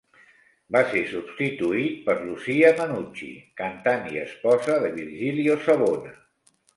Va ser substituït per Lucia Mannucci, cantant i esposa de Virgilio Savona.